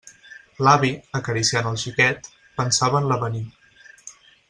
L'avi, acariciant el xiquet, pensava en l'avenir.